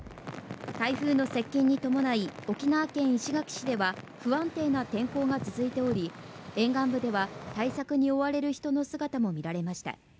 台風の接近に伴い沖縄県石垣市では不安定な天候が続いており、沿岸部では対策に追われる人の姿もみられました。